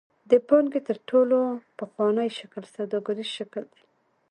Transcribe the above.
د پانګې تر ټولو پخوانی شکل سوداګریز شکل دی.